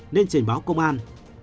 nên trình báo công an